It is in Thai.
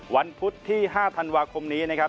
พุธที่๕ธันวาคมนี้นะครับ